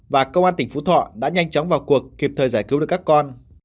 và công an tỉnh phú thọ đã nhanh chóng vào cuộc kịp thời giải cứu được các con